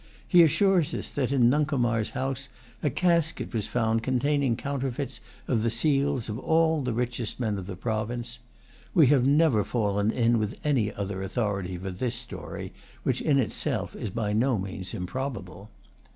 He assures us that in Nuncomar's house a casket was found containing counterfeits of the seals of all the richest men of the province. We have never fallen in with any other authority for this story, which in itself is by no means improbable.